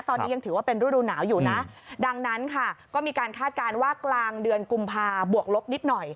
ตอนนี้ยังถือว่าเป็นฤดูหนาวอยู่นะดังนั้นค่ะก็มีการคาดการณ์ว่ากลางเดือนกุมภาบวกลบนิดหน่อย